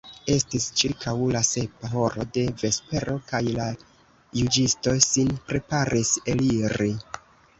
Estis ĉirkaŭ la sepa horo de vespero, kaj la juĝisto sin preparis eliri.